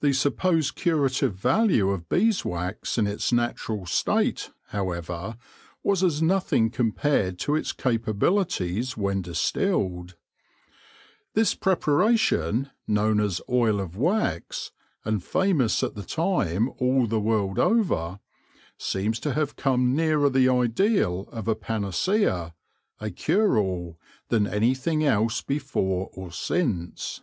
The supposed curative value of beeswax in its natural state, however, was as nothing compared to its capabilities when distilled, This preparation, known as Oil of Wax, and famous at the time all the world over, seems to have come nearer the ideal of a panacea — a cure all — than anything else before or since.